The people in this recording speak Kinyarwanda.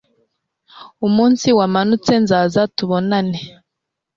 umunsi wamanutse nzaza tubonane